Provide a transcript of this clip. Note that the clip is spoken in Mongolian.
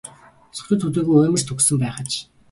Согтуу төдийгүй уймарч түгшсэн байх аж.